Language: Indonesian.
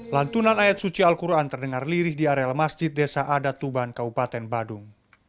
lantunan ayat suci al quran terdengar lirih di areal masjid desa adat tuban kabupaten badung